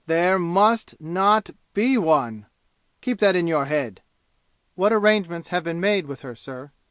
There must not be one! Keep that in your head!" "What arrangements have been made with her, sir?"